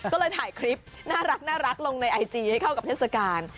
ก็เลยถ่ายคลิปน่ารักลงในไอจีให้เข้ากับเทศกาล